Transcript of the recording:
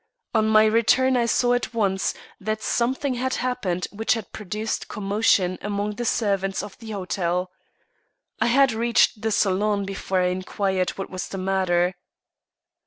On my return I saw at once that something had happened which had produced commotion among the servants of the hotel. I had reached the salon before I inquired what was the matter.